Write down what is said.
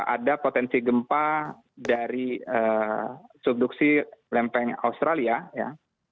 ada potensi gempa dari subduksi lempeng australia ya